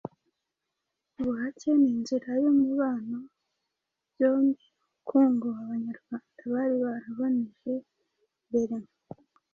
Ubuhake ni inzira y'umubano byombi n'ubukungu Abanyarwanda bari baraboneje mbere